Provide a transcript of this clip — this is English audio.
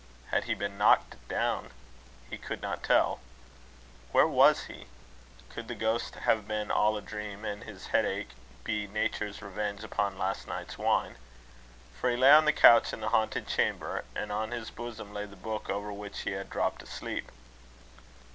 Had he been knocked down? He could not tell. Where was he? Could the ghost have been all a dream? and this headache be nature's revenge upon last night's wine? For he lay on the couch in the haunted chamber, and on his bosom lay the book over which he had dropped asleep.